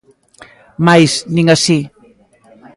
Mais nin así.